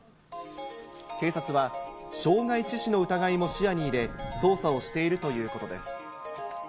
警察は、傷害致死の疑いも視野に入れ、捜査をしているということです。